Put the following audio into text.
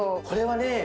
これはね